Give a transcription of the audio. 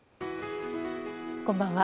こんばんは。